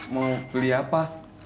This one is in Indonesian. mau beli apa